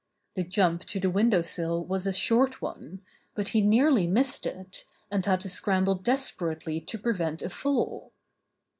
The jump to the window sill was a short one, but he nearly missed it, and had to scramble desperately to prevent a fall.